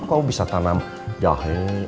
kamu bisa tanam jahe